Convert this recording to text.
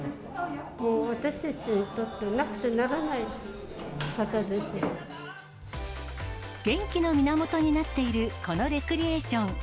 もう私たちにとっては、元気の源になっているこのレクリエーション。